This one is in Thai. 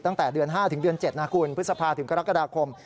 ตั้งแต่เดือน๕๗นาคุณพฤษภาถึงกรกฎาคม